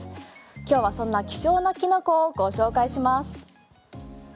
今日はそんな希少なキノコをご紹介します。